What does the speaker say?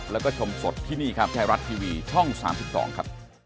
แล้วก็ชมสดที่นี่ครับไทยรัฐทีวีช่อง๓๒ครับ